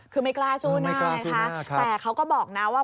คือไม่กล้าสู้หน้าไงคะแต่เขาก็บอกนะว่า